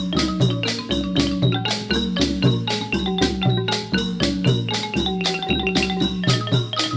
โชว์แรกครับ